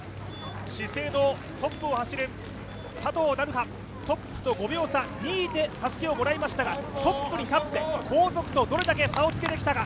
資生堂、トップを走る佐藤成葉、トップと５秒差、２位でたすきをもらいましたがトップに立って、後続とどれだけ差をつけてきたか。